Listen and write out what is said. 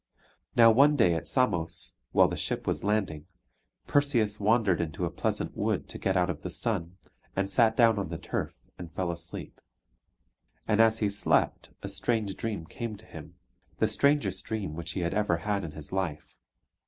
Now one day at Samos, while the ship was lading, Perseus wandered into a pleasant wood to get out of the sun, and sat down on the turf and fell asleep. And as he slept a strange dream came to him the strangest dream which he had ever had in his life.